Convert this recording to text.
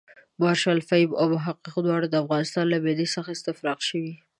مارشال فهیم او محقق دواړه د افغانستان له معدې څخه استفراق شوي.